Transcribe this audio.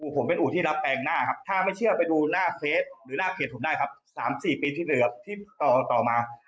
ผมเป็นอู่ที่รับแปลงหน้าครับถ้าไม่เชื่อไปดูหน้าเฟสหรือหน้าเพจผมได้ครับ๓๔ปีที่เหลือที่ต่อมา